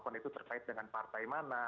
akun akun itu terkait dengan partai mana